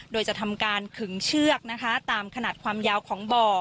โดยจะทำการขึงเชือกนะคะตามขนาดความยาวของบ่อ